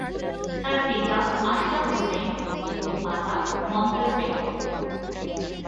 তার পিতা আশরাফ হোসেন এবং মাতা মমতাজ বেগম।